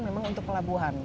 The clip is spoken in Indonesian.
memang untuk pelabuhan